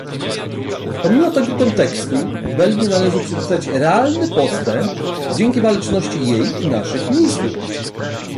Pomimo tego kontekstu Belgii należy przypisać realny postęp dzięki waleczności jej i naszych ministrów